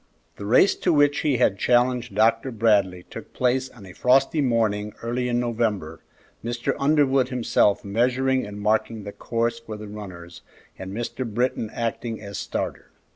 The race to which he had challenged Dr. Bradley took place on a frosty morning early in November, Mr. Underwood himself measuring and marking the course for the runners and Mr. Britton acting as starter.